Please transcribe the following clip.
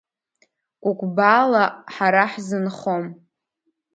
Кәыкәбаала ҳара ҳзынхом.